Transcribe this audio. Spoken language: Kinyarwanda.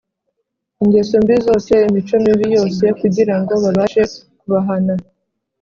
ingeso mbi zose, imico mibi yose kugira ngo babashe kubahana ,